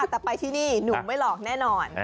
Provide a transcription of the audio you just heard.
แต่ไปที่นี่หนุ่มไม่หลอกแน่นอน